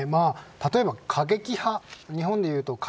例えば過激派、日本でいうと。